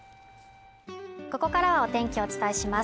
ここからはお天気をお伝えします